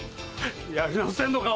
やり直せんのか？